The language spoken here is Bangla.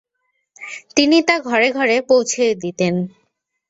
তিনি তা ঘরে ঘরে পৌঁছেও দিতেন।